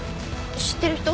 知ってる人？